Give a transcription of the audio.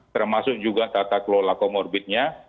termasuk juga tata kelola comorbidnya